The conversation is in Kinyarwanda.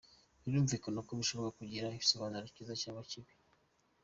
Birumvikana ko bishobora kugira igisobanuro cyiza cyangwa kibi.